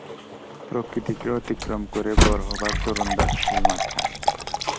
প্রকৃতিকে অতিক্রম করে বড়ো হবার তোরণদ্বার সেই মাথায়।